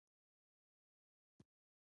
دمدني محاکماتو اصولو تعریف ولیکئ ؟